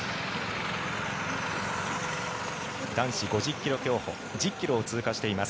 男子５０ｋｍ競歩１０ｋｍを通過しています。